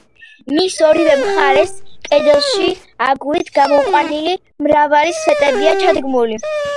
მის ორივე მხარეს, კედელში, აგურით გამოყვანილი, მრგვალი სვეტებია ჩადგმული.